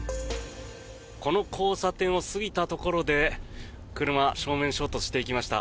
この交差点を過ぎたところで車、正面衝突していきました。